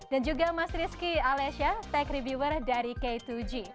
dan juga mas rizky alesya tech reviewer dari k dua g